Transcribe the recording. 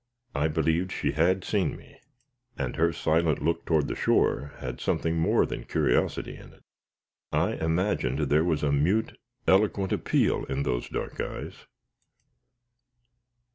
I believed she had seen me; and her silent look toward the shore had something more than curiosity in it. I imagined there was a mute, eloquent appeal in those dark eyes.